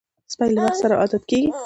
سپي له وخت سره عادت کېږي.